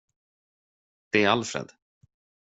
Det är Alfred.